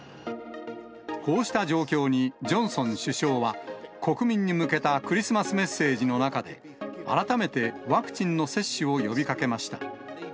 こうした状況にジョンソン首相は、国民に向けたクリスマスメッセージの中で、改めてワクチンの接種を呼びかけました。